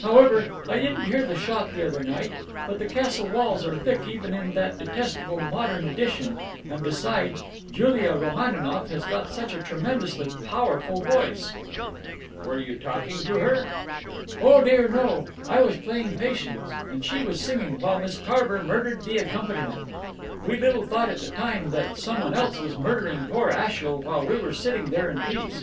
However, I didn't hear the shot the other night, but the castle walls are thick even in that detestable modern addition, and besides, Julia Romaninov has got such a tremendously powerful voice,'' "Were you talking to her?" "Oh dear no! I was playing patience, and she was singing, while Miss Tarver murdered the accompaniment. We little thought at the time that some one else was murdering poor Ashiel while we were sitting there in peace.